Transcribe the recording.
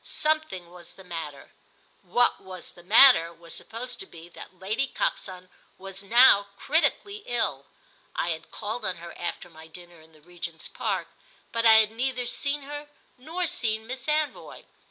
Something was the matter; what was the matter was supposed to be that Lady Coxon was now critically ill. I had called on her after my dinner in the Regent's Park, but I had neither seen her nor seen Miss Anvoy.